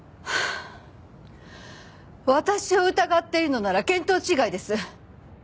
私を疑っているのなら見当違いです。